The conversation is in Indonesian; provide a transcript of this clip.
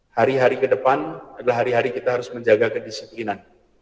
hari hari ke depan adalah hari hari kita harus menjaga kedisiplinan